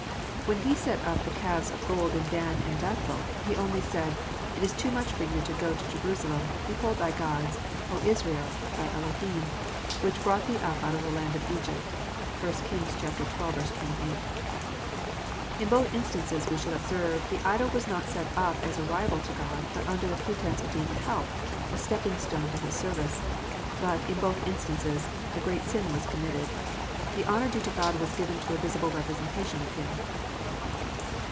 When he set up the calves of gold in Dan and Bethel, he only said, " It is too much for you to go up to Jerusalem: behold thy gods, Israel (thy Eloliim), which brought thee up out of the land of Egypt." (1 Kings xii. 28.) In both instances, we should observe, the idol was not set up as a rival to God, but under the pretence of being a help a stepping stone to His service. But, in both instances, a great sin was committed. The honour due to God was given to a visible representation of Him.